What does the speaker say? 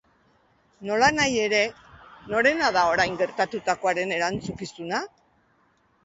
Nolanahi ere, norena da orain gertatutakoaren erantzukizuna?